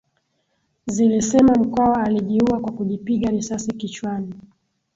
Zilisema Mkwawa alijiua kwa kujipiga risasi kichwani